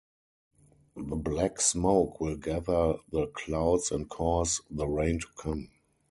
The black smoke will gather the clouds and cause the rain to come.